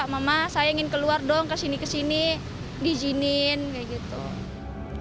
mama saya ingin keluar dong kesini kesini diizinin kayak gitu